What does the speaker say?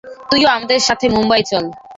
তুইও আমাদের সাথে মুম্বাই চল।